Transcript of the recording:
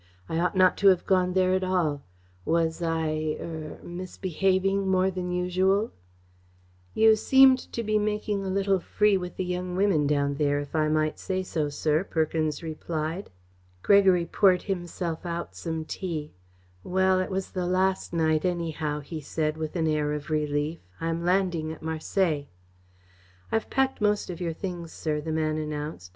"I ought not to have gone there at all. Was I er misbehaving more than usual?" "You seemed to be making a little free with the young women down there, if I might say so, sir," Perkins replied. Gregory poured himself out some tea. "Well, it was the last night, anyhow," he said, with an air of relief. "I am landing at Marseilles." "I have packed most of your things, sir," the man announced.